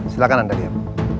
silahkan anda diam